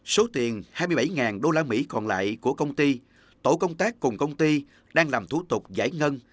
số tiền hai mươi bảy usd còn lại của công ty tổ công tác cùng công ty đang làm thủ tục giải ngân